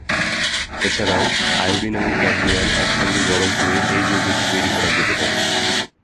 এছাড়াও, আয়োডিন এবং ক্যাডমিয়াম এক সঙ্গে গরম করে এই যৌগটি তৈরি করা যেতে পারে।